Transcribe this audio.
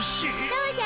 どうじゃ？